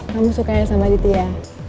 kamu suka sama adit ya